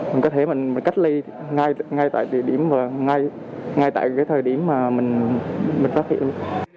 mình có thể mình cách ly ngay tại thời điểm mà mình phát hiện